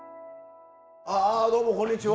あどうもこんにちは。